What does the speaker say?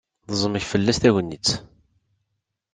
Teẓmek fell-as tagnitt.